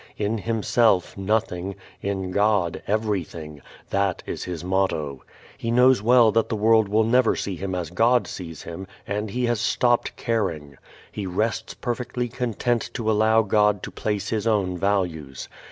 In himself, nothing; in God, everything. That is his motto. He knows well that the world will never see him as God sees him and he has stopped caring. He rests perfectly content to allow God to place His own values.